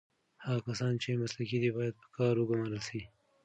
هغه کسان چې مسلکي دي باید په کار وګمـارل سي.